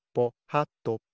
はとぽ。